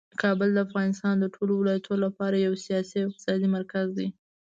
کابل د افغانستان د ټولو ولایتونو لپاره یو سیاسي او اقتصادي مرکز دی.